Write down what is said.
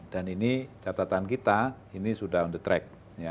dan ini catatan kita ini sudah on the track